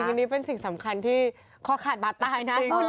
อันนี้เป็นสิ่งสำคัญที่คอขาดบาดตายนะ